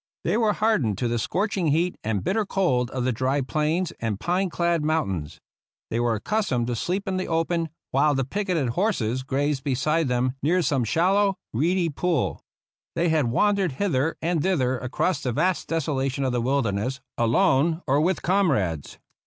They were hardened to the scorching heat and bitter cold of the dry plains and pine clad moun tains. They were accustomed to sleep in the open, while the picketed horses grazed beside them near some shallow, reedy pool. They had wandered hither and thither across the vast deso lation of the wilderness, alone or with comrades.